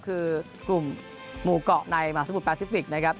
คือกลุ่มหมู่เกาะในมหาสมุทรแปซิฟิกนะครับ